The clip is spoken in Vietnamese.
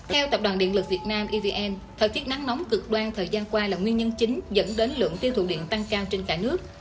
theo tập đoàn điện lực việt nam evn thời tiết nắng nóng cực đoan thời gian qua là nguyên nhân chính dẫn đến lượng tiêu thụ điện tăng cao trên cả nước